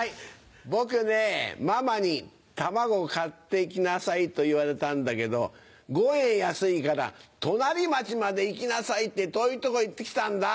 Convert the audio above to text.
僕ねママに卵買って来なさいと言われたんだけど５円安いから隣町まで行きなさいって遠いとこ行って来たんだ。